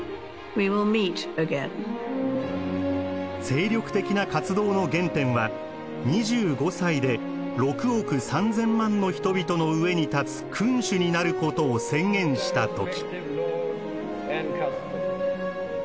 精力的な活動の原点は２５歳で６億３，０００万の人々の上に立つ君主になることを宣言した時。